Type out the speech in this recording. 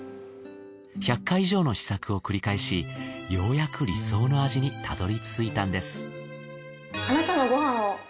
１００回以上の試作を繰り返しようやく理想の味にたどり着いたんです。